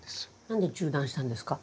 何で中断したんですか？